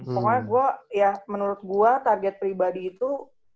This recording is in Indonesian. pokoknya gue ya menurut gue target pribadi itu